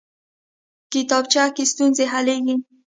کتابچه کې ستونزې حلېږي